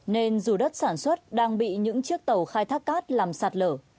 nên dù đất sản xuất đang bị những chiếc tàu khai thác cát làm sạt lở